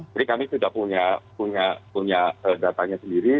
jadi kami sudah punya datanya sendiri